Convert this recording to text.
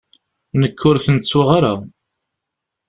Nekk, ur ten-ttuɣ ara.